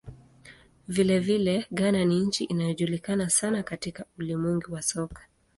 Vilevile, Ghana ni nchi inayojulikana sana katika ulimwengu wa soka.